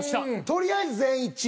とりあえず全員一致。